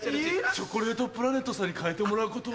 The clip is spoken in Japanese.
チョコレートプラネットさんに換えてもらうことは？